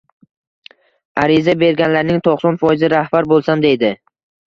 Ariza berganlarning to‘qson foizi rahbar bo‘lsam deydi.